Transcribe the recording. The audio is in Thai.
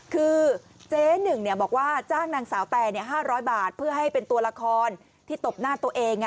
คือเจ๊หนึ่งบอกว่าจ้างนางสาวแต่๕๐๐บาทเพื่อให้เป็นตัวละครที่ตบหน้าตัวเอง